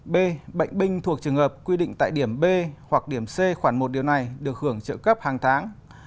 b bệnh binh thuộc trường hợp quy định tại điểm b hoặc điểm c khoảng một điều này được hưởng chế độc hóa học hàng tháng